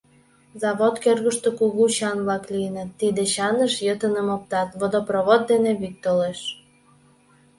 Завод кӧргыштӧ кугу чан-влак лийыт, тиде чаныш йытыным оптат, водопровод дене вӱд толеш.